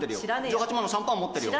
１８万のシャンパン持ってるよ